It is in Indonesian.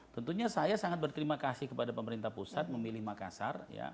tentunya saya sangat berterima kasih kepada pemerintah pusat memilih makassar